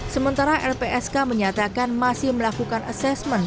sementara lpsk menyatakan masih melakukan asesmen